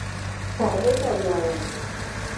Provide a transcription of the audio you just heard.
کابل ته ولاړم.